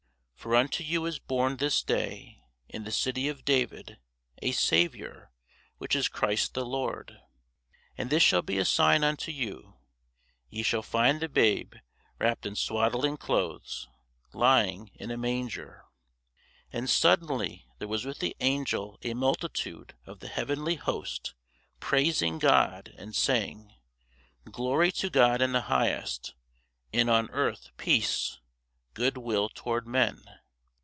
For unto you is born this day in the city of David a Saviour, which is Christ the Lord. And this shall be a sign unto you; Ye shall find the babe wrapped in swaddling clothes, lying in a manger. And suddenly there was with the angel a multitude of the heavenly host praising God, and saying, Glory to God in the highest, and on earth peace, good will toward men.